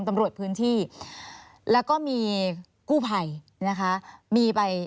ตำรวจพื้นที่แล้วก็มีกู้ภัยนะคะมีไป